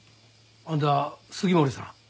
あんた杉森さん？